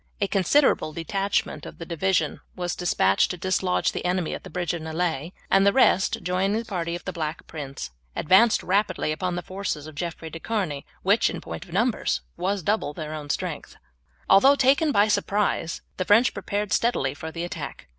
A considerable detachment of the division was despatched to dislodge the enemy at the bridge of Nieullay, and the rest, joining the party of the Black Prince, advanced rapidly upon the forces of Jeffrey de Charny which, in point of numbers, was double their own strength. Although taken in turn by surprise the French prepared steadily for the attack.